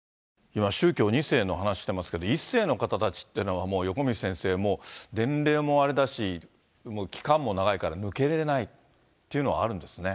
今、宗教２世の話してますけど、１世の方たちっていうのは、もう横道先生、年齢もあれだし、期間も長いから抜けれないというのはあるんですね。